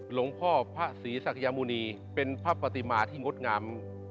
หลวงพ่อพระศรีศักยมุณีเป็นพระปฏิมาที่งดงาม